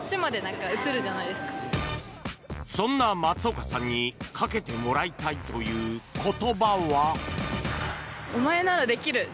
そんな松岡さんにかけてもらいたいという言葉は。